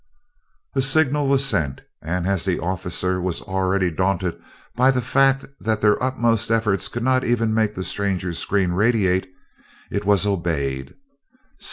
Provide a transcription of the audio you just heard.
The signal was sent, and, as the officer was already daunted by the fact that their utmost efforts could not even make the strangers' screens radiate, it was obeyed.